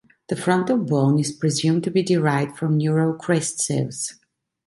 The frontal bone is presumed to be derived from neural crest cells.